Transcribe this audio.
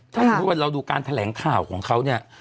ถ้าสมมุติว่าเราดูการแถลงข่าวของเขาเนี่ย